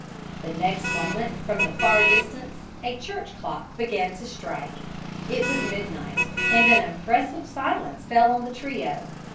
The next moment, from the far distance, a church clock began to strike. It was midnight, and an impressive silence fell on the trio.